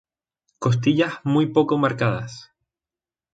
Costillas muy poco marcadas.